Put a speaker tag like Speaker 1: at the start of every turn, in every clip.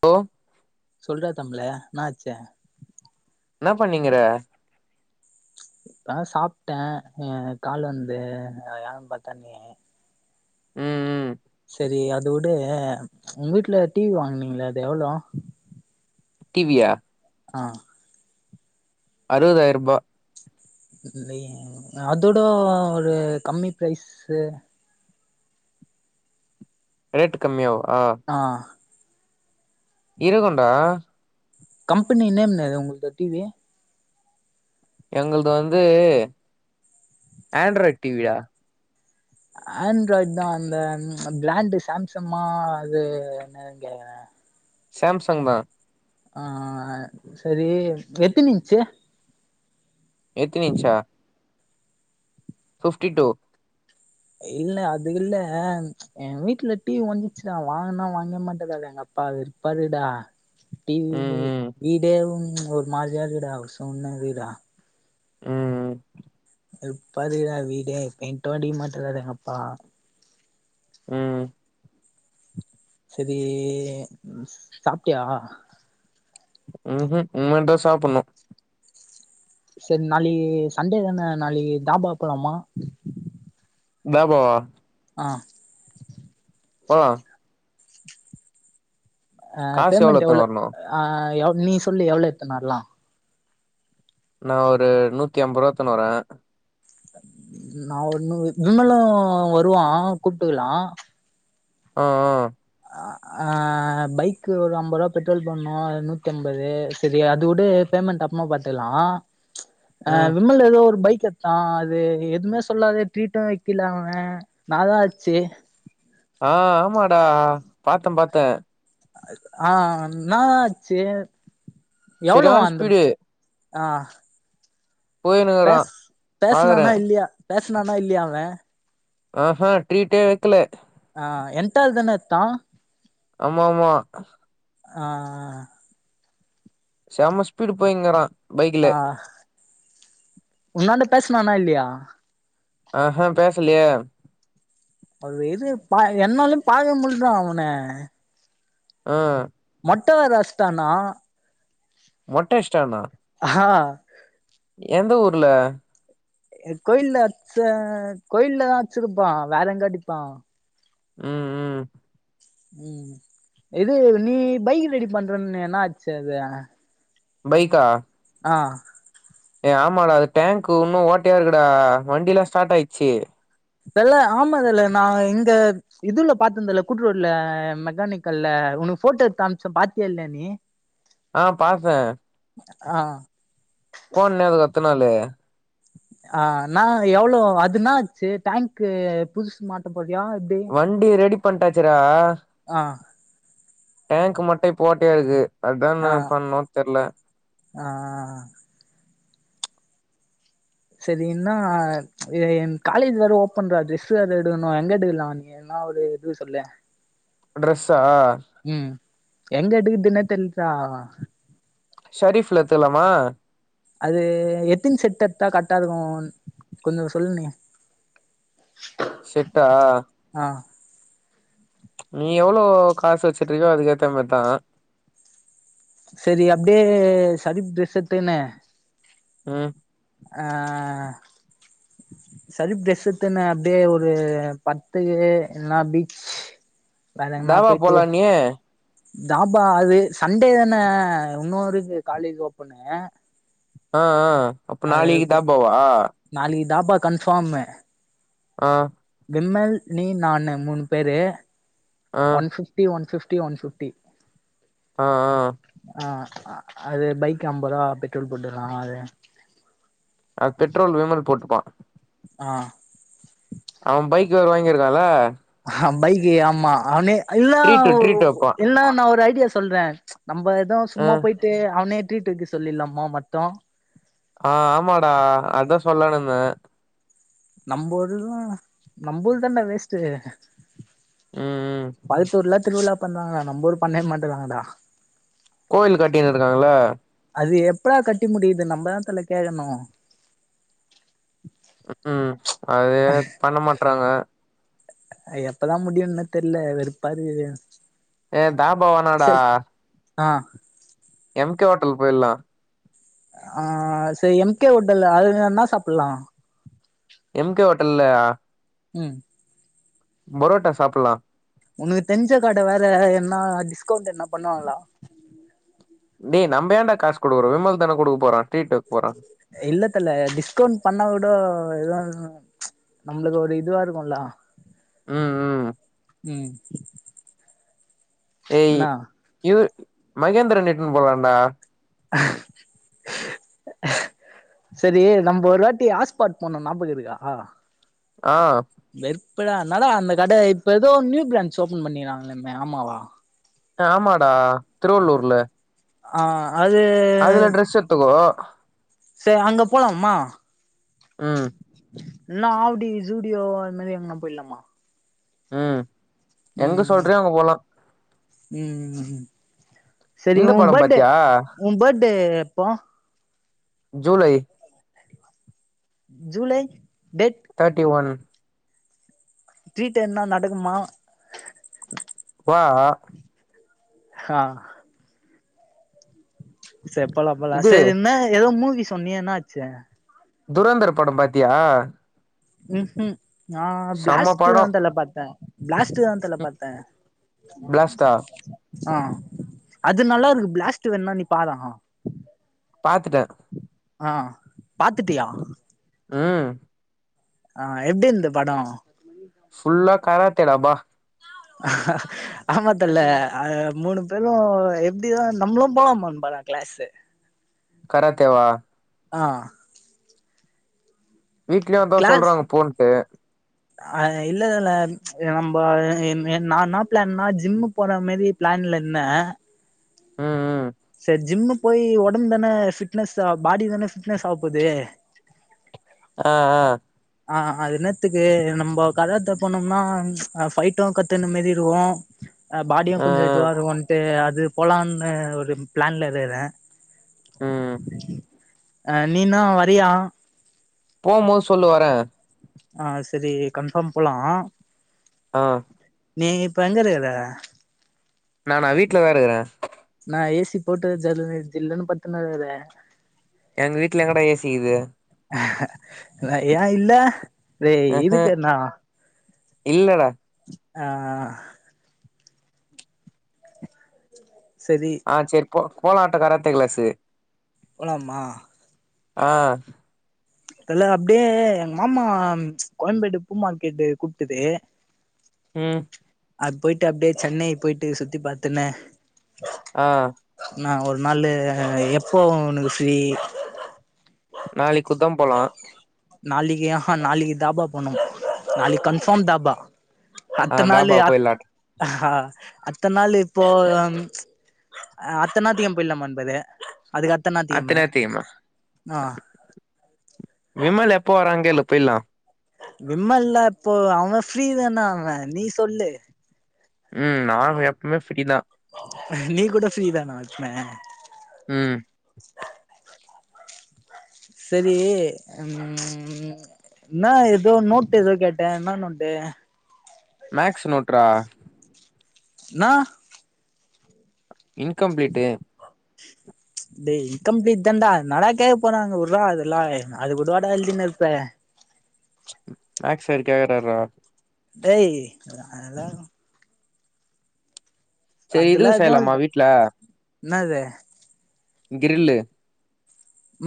Speaker 1: hello ஓ
Speaker 2: சொல்ற தம்பள என்ன ஆச்சி
Speaker 1: என்ன பன்னிக்கிர
Speaker 2: இப்ப தா நா சாப்பிட்டே நீ கால் வந்து யாரும் பாத்தே
Speaker 1: ம் ம்
Speaker 2: சேரி அத வுடு உங்க வீட்டு்ல டிவி வாங்கனீங்களா அது எவ்ளோ
Speaker 1: டிவியா
Speaker 2: ஆஹ்
Speaker 1: ஆறுவதாயிரம் ரூபா
Speaker 2: இல்ல அதோட ஒரு கம்மி பிரேஸ்சு
Speaker 1: ரேட் கம்மியாவ ஆஹ
Speaker 2: ஆஹ்
Speaker 1: இருகுண்டா
Speaker 2: கம்பெனி என்ன நேம்னா உங்க டிவி
Speaker 1: எங்களது வந்து ஆண்ட்ராய்ட் டிவியா
Speaker 2: ஆண்ட்ராய்டு தா அந்த பிராண்டு சாம்சன் அது என்னு கேக்குறே
Speaker 1: சம்சங் தான்
Speaker 2: ஆஹ் சேரி எத்துனு இச்சு
Speaker 1: எத்தினு இச்சா ஃபிப்டி டூ
Speaker 2: இல்ல அது இல்ல என் வீட்டுல டிவி ஓடஞ்சிச்சுடா வாங்கனா வாங்க மாட்டேதாட எங்க அப்பாப்பாருடா
Speaker 1: ம்
Speaker 2: டிவி
Speaker 1: ம்
Speaker 2: வீடே ஓரு மாரி இருக்குடா அவ சொன்ன வீடு டா
Speaker 1: ம் ம்
Speaker 2: அத பாத்தேங்கனா வீடே பெயிட்டு அடிக்க மாட்டேகிற எங்க அப்பா
Speaker 1: ம்
Speaker 2: சேரி சாப்பட்டியா
Speaker 1: உகு இனிமேல தா சாப்பட்ணு
Speaker 2: சேரி நாளைக்கு சண்டே தானே நாளைக்கு தாபா போலாமா
Speaker 1: தாபாவா
Speaker 2: ஆஹ்
Speaker 1: போ
Speaker 2: அஹ்
Speaker 1: காசு எவ்ளோ
Speaker 2: பேமெண்ட்
Speaker 1: எத்துனு
Speaker 2: எவ்வளோ
Speaker 1: வரணு
Speaker 2: ஆஹ நீ சொல்லு எவ்வளவு எத்துனு வரலா
Speaker 1: நான் ஒரு நூத்தி ஐம்பது ரூபா எத்தன்னு வறே
Speaker 2: நான் ஒன்னு விமலு வருவா கூப்பிட்டுக்கலாம்
Speaker 1: ஆஹ் ஆஹ்
Speaker 2: ஆஹ ஆ பைக்கு ஒரு ஐம்பது ரூவா பெட்ரோல் போடணு நூத்தண ஐம்பது சரி அது வுடு பேமெண்ட் அப்புரமா பாத்துக்கலா
Speaker 1: ம்
Speaker 2: விமல் ஏதோ ஒரு பைக் எடு ஆஹ் அது எதுவுமே சொல்லாத ட்ரீட்டு வைக்கலா அவே நாள் நாளாச்சு
Speaker 1: ஆஹ் ஆமாடா பாத்தே பாத்தே
Speaker 2: ஆஹ் என்னாலான ஆச்சி எவ்வளவா
Speaker 1: செரியான
Speaker 2: அந்த
Speaker 1: ஸ்பீடு
Speaker 2: ஆஹ
Speaker 1: போயினுக்குறா
Speaker 2: பேச
Speaker 1: பாக்குறே
Speaker 2: பேசனானா இல்லயா பேசனானா இல்லய அவா
Speaker 1: ஆ ஹ ட்ரீட்டே வெக்கல
Speaker 2: ஆ என் டவ்ல் தான எட்த்தா
Speaker 1: ஆமா ஆமா
Speaker 2: ஆ
Speaker 1: செம ஸ்பீடு போயிங்கறா
Speaker 2: ஆ உன்னாண்ட பேசுனான இல்லையா
Speaker 1: ஆ ஹ பேசலையே
Speaker 2: அந்த இது ப என்னாலு பாக்க முட்ல்ல டா அவன
Speaker 1: அ
Speaker 2: மொட்ட வேற அட்ச்சுட்டானா
Speaker 1: மொட்ட அட்ச்சுட்டானா
Speaker 2: ஹா
Speaker 1: எந்த ஊருல
Speaker 2: கோயில்ல அட்ச்ச கோயில்லதா அட்ச்சுருப்பா வேற எங்க அடிப்பா
Speaker 1: ம் ம்
Speaker 2: ம் இது நீ பைக் ரெடி பண்றன்னியே என்ன ஆச்சு அது
Speaker 1: பைக்கா
Speaker 2: ஆ
Speaker 1: ஏ ஆமாடா அது டேங்க்கு உன்னு ஓட்டையா இருக்குடா வண்டிலா ஸ்டார்ட் ஆயிடுச்சு
Speaker 2: தல ஆமா தல நா இங்க இதுவ்ல பாத்துருந்தல்ல கூட்டுரோட்ல மெக்கானிக்கல்ல உனக்கு போட்டோ எட்த்து அமிச்சே பாத்தியா இல்லியா நீ
Speaker 1: ஆ பாத்தே
Speaker 2: ஆ
Speaker 1: போன்னே அது எத்தன் நாளு
Speaker 2: ஆ நா எவ்ளோ அதுனாச்சு டேங்க்கு புதுசு மாத்த போறியா எப்
Speaker 1: வண்டி ரெடி பண்ட்டாச்சுரா
Speaker 2: ஆ
Speaker 1: டேங்கு மட்டு இப்ப ஓட்டையா இருக்கு அதா
Speaker 2: ஆ
Speaker 1: நா பண்ணு தெர்ல
Speaker 2: ஆ சரி இன்னா எ என் காலேஜ் வேற ஓப்பன்றா ட்ரெஸ்ஸு வேற எடுக்கணு எங்க எடுக்கலா என்னா ஒரு இது சொல்லே
Speaker 1: ட்ரெஸ்ஸா
Speaker 2: ம் எங்க எடுக்குர்தினே தெர்லடா
Speaker 1: ஷெரிஃப்ல எத்துக்கலாமா
Speaker 2: அது எத்தின் செட் எட்தா கர்ட்டா இருக்கு கொஞ்சோ சொல்லுங் நீ
Speaker 1: செட்டா
Speaker 2: ஆ
Speaker 1: நீ எவ்ளோ காசு வச்சிட்டுருக்கியோ அதுக்கேத்த மார்தா
Speaker 2: சரி அப்டியே சதீஃப் ட்ரெஸ் எடுத்துக்குனு
Speaker 1: ம்
Speaker 2: ஆ சரீஃப் ட்ரெஸ் எத்துன்னா அப்டியே ஒரு பத்து இல்லனா அப்டி
Speaker 1: தாவா போலான்யே
Speaker 2: தாபா அது சண்டே தானே இன்னுருக்கு காலேஜ் ஓப்பனே
Speaker 1: ஆ ஆ அப்ப நாளைக்கு தா போவா
Speaker 2: நாளைக்கி தாபா கன்ஃபாமு
Speaker 1: ஆ
Speaker 2: விம்மல் நீ நானு மூணு பேரு one fifty one fifty one fifty
Speaker 1: ஆ ஆ
Speaker 2: ஆ அது பைக் அம்பதா பெட்ரோல் போட்டுக்லா அது
Speaker 1: அ பெட்ரோல் விமல் போட்டுப்பா
Speaker 2: ஆ
Speaker 1: அவ பைக் வேற வாங்கிருக்கால
Speaker 2: ஆ பைக்கு ஆமா அவனே இல்லா
Speaker 1: ட்ரீட்டு
Speaker 2: ஓ
Speaker 1: ட்ரீட்டு வப்பா
Speaker 2: எல்லா நா ஒரு ஐடியா சொல்றே நம்ப எதோ சும்மா
Speaker 1: ம்
Speaker 2: போயிட் ட்டு அவனே ட்ரீட் வைக்க சொல்லிலாமா மத்தோ
Speaker 1: ஆ ஆமாடா அதான் சொல்லாணுந்த
Speaker 2: நம்பொறுறூ நம்புள்தாண்டா வேஸ்ட்டு
Speaker 1: ம் ம்
Speaker 2: பக்கத்தூர்லா திருவிழா பண்றாங்களா நம்ப ஊர் பன்னவே மாட்றாங்கடா
Speaker 1: கோயிலு கட்டினு இருக்காங்கள்ள
Speaker 2: அது எப்படா கட்டி முடிக்கிற்து நம்மதா தல கேக்கணு
Speaker 1: ம்கூம் அது பண்ண மாட்றாங்க
Speaker 2: எப்பதா முடியுன்னு தெர்ல வெறுப்பாருகுது
Speaker 1: ஏ தாபா வேநாடா
Speaker 2: ஆ
Speaker 1: எம் கே ஓட்டல் போயில்லா
Speaker 2: ஆ செரி எம் கே ஓட்டல் அது தா என்னா சாப்பல்லா
Speaker 1: எம் கே ஓட்டல்ல
Speaker 2: ம்
Speaker 1: புரோட்டா சாப்புல்லா
Speaker 2: உனுக்கு தெரிஞ்ச கட வேற என்னா டிஸ்கவுண்ட் எத்ன்னா பண்ணுவாங்களா
Speaker 1: டே நம்ப ஏண்டா காசு குடுக்க போறோ விமல் தான குடுக்க போறா ட்ரீட்டு வக்க போறா
Speaker 2: இல்ல தல டிஸ்கவுண்ட் பண்ணா கூடோ எதுவு நம்ளுக்கு ஒரு இதுவா இருக்குல்ல
Speaker 1: ம் ம்
Speaker 2: ம்
Speaker 1: ஏய்
Speaker 2: என்னா
Speaker 1: இ மகேந்திரன் இட்னு போலாண்டா
Speaker 2: செரி நம்ப ஒரு வாட்டி ஆஸ்பாட் போனோ நாபகோ இருக்கா
Speaker 1: ஆ
Speaker 2: வெற்ப்படா அத்னாலதா அந்த கட இப்ப எதோ நியூ ப்ரான்ச் ஓபன் பண்ணிகிறாங்களாமே ஆமாவா
Speaker 1: ஏ ஆமாடா திருவள்ளுர்ல
Speaker 2: ஆ அது
Speaker 1: அதுல ட்ரெஸ் எத்துக்கோ
Speaker 2: சே அங்க போலாம்மா
Speaker 1: ம்
Speaker 2: இல்ன்னா ஆவுடி ஜூடியோ அது மாரி எங்னா போயில்லாமா
Speaker 1: ம் எங்க
Speaker 2: ம்
Speaker 1: சொல்றியோ அங்க போலா
Speaker 2: ம் ம் செரி
Speaker 1: இந்த
Speaker 2: உ
Speaker 1: படம்
Speaker 2: பேடே
Speaker 1: பாத்தியா
Speaker 2: உ பேடே எப்போ
Speaker 1: ஜூலை
Speaker 2: ஜூலை டேட்
Speaker 1: தேட்டி ஒன்
Speaker 2: ட்ரீட் என்ன நடக்குமா
Speaker 1: வா
Speaker 2: ஹா செரிப் போலா போலா
Speaker 1: இது
Speaker 2: செரி என்ன ஏதோ மூவி சொன்னியே என்னாச்சு
Speaker 1: துரந்தர் பட பாத்தியா
Speaker 2: ம் ஹு நா
Speaker 1: செம்ம
Speaker 2: பிளாஸ்ட்டு தா
Speaker 1: படம்
Speaker 2: தல பாத்தே பிளாஸ்ட்டு வந் தல பாத்தே
Speaker 1: பிளாஸ்டா
Speaker 2: ஆ அது நல்லாருக்கு பிளாஸ்ட்டு வேண நீ பாரா
Speaker 1: பாத்துட்ட
Speaker 2: ஆ பாத்துட்டியா
Speaker 1: ம்
Speaker 2: ஆ எப்டி இருந்தது படோ
Speaker 1: ஃபுல்லா காராத்தேடா பா
Speaker 2: ஆ ஆ ஆமா தல்ல அ மூணு பேரு எப்டிதா நம்முளு போலாமான் பாரே கிளாஸு ஆ
Speaker 1: கராத்தே வா
Speaker 2: ஆ
Speaker 1: வீட்லயே அதா
Speaker 2: கிளாஸ்
Speaker 1: சொல்றாங்க போன்ட்டு
Speaker 2: அ இல்ல தல நம்ப என் என் நா நா என்னா பிளான்னா ஜிம்மு போற மேரி பிளான்ல இந்தே
Speaker 1: ம் ம்
Speaker 2: ஜிம்மு போய் ஒடம்பென்ன ஃபிட்னஸ் ஆ பாடி தான ஃபிட்னஸ் ஆவ போது
Speaker 1: ஆ ஆ
Speaker 2: ஆ அதென்னத்துக்கு நம்போ கராத்தே போனம்னா அ ஃபைட்டு கத்துகுன மாரி இருக்கு ஆ பாடியு கொஞ்சோ இதுவா இருக்குன்ட்டு அது போலான்னு ஒரு பிளான்ல இருக்குறே
Speaker 1: ம்
Speaker 2: அ நீனூ வரையா
Speaker 1: போம்போது சொல்லு வரே
Speaker 2: ஆ செரி கன்ஃபாம் போலா
Speaker 1: ஆ
Speaker 2: நீ இப்ப எங்க இருக்குற
Speaker 1: நானா வீட்லதா இருக்கற
Speaker 2: நா ஏசி போட்டு ஜல்லுனு ஜில்லுனு பட்த்துனுக்கறே
Speaker 1: எங்க வீட்ல எங்கடா ஏசிக்கிது
Speaker 2: ஏ இல்ல ரே
Speaker 1: ம்ஹூ
Speaker 2: இருக்கு என்னா
Speaker 1: இல்லடா
Speaker 2: ஆ செரி
Speaker 1: ஆ செரி போ போலாட்ட கராத்தே கிளாசு
Speaker 2: போலாமா
Speaker 1: ஆ
Speaker 2: அல அப்டியே எங் மாமா கோயம்பேடு பூ மார்க்கெட்டு கூப்ட்டது
Speaker 1: ம்
Speaker 2: அது போய்ட்டு அப்டியே சென்னை போய்ட்டு சுத்தி பாத்துன்னு
Speaker 1: ஆ
Speaker 2: நா ஒரு நாளு எப்போ உனக்கு ஃப்ரீ
Speaker 1: நாளைக் கூட்தா போலா
Speaker 2: நாளைக்கி ஆஹா நாளைக்கி தாபா போணும் நாளைக் கன்ஃபாம் தாபா
Speaker 1: ஆ
Speaker 2: அட்த்த நாளு
Speaker 1: தாபாக்கு
Speaker 2: அ
Speaker 1: போயிலாட்ட
Speaker 2: அடுத்த நாளு இப்போ அ அட்த்த ஞாயித்திகெழம போய்ட்லாமானு பாரு அதுக்கடுத்த ஞாயித்திக்கெழம
Speaker 1: அத்த நேரத்துக்குமா
Speaker 2: ஆ
Speaker 1: விமல் எப்போ வரான் கேளு போயிட்லா
Speaker 2: விமல்லா எப்போ அவ ஃப்ரீதான்டா அவ நீ சொல்லு
Speaker 1: ம் நா எப்பவுமே ஃப்ரீதா
Speaker 2: நீ கூட ஃப்ரீதானா எப்பமே
Speaker 1: ம்
Speaker 2: செரீ ம் என்னா ஏதோ நோட்டு எதோ கேட்ட என்னா நோட்டு
Speaker 1: மேக்ஸ் நோட்ரா
Speaker 2: நா
Speaker 1: இன்கம்ப்ளீட்டு
Speaker 2: டே இம்கம்ப்ளீட் தான்டா என்னடா கேக்க போறாங்க விட்றா அதெல்லாய் அது கூடாவாடா எழுதினுருப்ப
Speaker 1: மேக்ஸ் சாரு கேக்கறாருறா
Speaker 2: டேய் அது ஆலா
Speaker 1: செரி
Speaker 2: அதுல்லா
Speaker 1: இதுவு செய்யலாமா
Speaker 2: எதுவுல்ல
Speaker 1: வீட்ல
Speaker 2: என்னாது
Speaker 1: கிரில்லு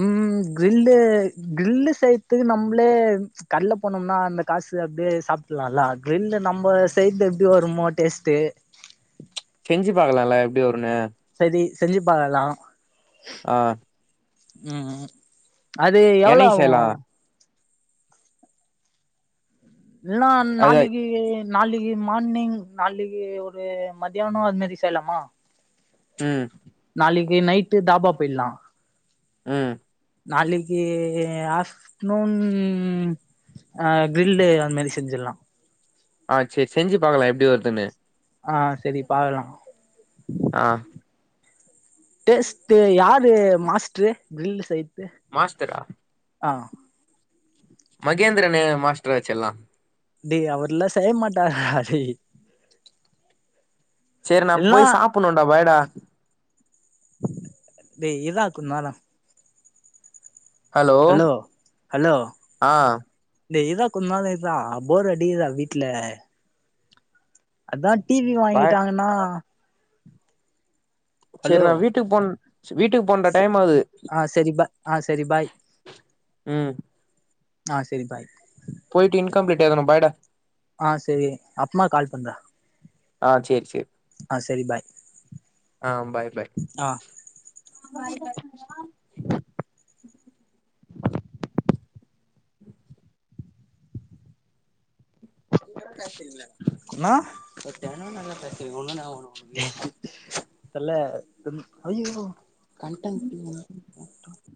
Speaker 2: உம் கிரில்லு கிரில்லு செய்யத்துக்கு நம்ளே கட்ல போனம்னா அந்த காசு அப்டியே சாப்ட்டுலால்ல கிரில்லு நம்ப செய்ர்து எப்டி வருமோ டேஸ்ட்டு
Speaker 1: செஞ்சி பாக்கலால எப்டி வருனு
Speaker 2: சரி செஞ்சிப் பாக்கலா
Speaker 1: ஆ
Speaker 2: ம் ம் அது எவ்வளோ
Speaker 1: எண்ணெய்
Speaker 2: ஆகு
Speaker 1: செய்யலா
Speaker 2: என்னா
Speaker 1: அதா
Speaker 2: நாளைக்கீ நாளைக்கி மார்னிங் காலைலியே ஒரு மத்தியானோ அதுமாரி செய்யலாமா
Speaker 1: ம்
Speaker 2: நாளிக்கு நைட்டு தாபா போயிட்லா
Speaker 1: ம்
Speaker 2: நாளிக்கி ஆஃப்ட்ர்நூன் ஆ க்ரில்லு அந்த மேரி செஞ்சிர்லா
Speaker 1: ஆ சேரி செஞ்சு பாக்கலா எப்டி வர்துன்னு
Speaker 2: ஆ செரி பாக்கலா
Speaker 1: ஆ
Speaker 2: டேஸ்ட்டு யாரு மாஸ்ட்ரு கிரில்லு செய்
Speaker 1: மாஸ்டரா மகேந்திரனு மாஸ்டராச்சே எல்லா
Speaker 2: டேய் அவருல்லா செய்ய மாட்டாருடா டேய்
Speaker 1: சேரி நா
Speaker 2: எல்லா
Speaker 1: போய் சாப்புணூண்டா பாய் டா
Speaker 2: டேய் இரா கொஞ்ச நேரோ ஹலோ ஹலோ
Speaker 1: ஆ
Speaker 2: டேய் இரா கொஞ்சநேரோ இருரா போர் அடிக்கிதுடா வீட்ல அதா டி வி
Speaker 1: பாய்
Speaker 2: வாங்கிட்டாங்கனா
Speaker 1: சேரி
Speaker 2: ஹலோ
Speaker 1: நா வீட்டுக் போன் ச வீட்டுக் போகனுன்டா டைமாகுது
Speaker 2: ஆ சரி பா ஆ சரி பாய்
Speaker 1: ம்
Speaker 2: ஆ சேரி பாய்
Speaker 1: போய்ட்டு இன்கம்ப்ளீட் எழுதனு பாய் டா
Speaker 2: ஆ சேரி அப்மா கால் பண்ற
Speaker 1: ஆ சேரி சேரி
Speaker 2: ஆ சேரி பாய்
Speaker 1: ஆ
Speaker 2: ஆ
Speaker 1: பாய் பாய்
Speaker 2: பேச தெரில்ல [inaudible] சொல்லு ஐயயோ கன்டென்ட் இல்லாம போட்ட